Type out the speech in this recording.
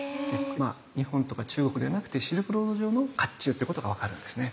まあ日本とか中国ではなくてシルクロード上の甲冑っていうことが分かるんですね。